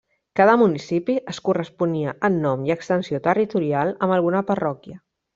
Cada municipi es corresponia en nom i extensió territorial amb alguna parròquia.